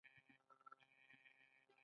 آیا ایران د اورګاډي پټلۍ نه پراخوي؟